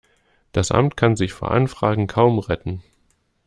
Das Amt kann sich vor Anfragen kaum retten.